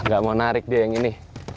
gak mau narik dia yang ini